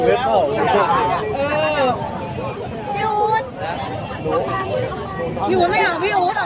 พี่ไก่ล้มปลวดตรงกลางด้วยค่ะ